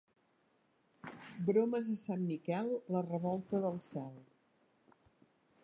Bromes a Sant Miquel, la revolta del cel.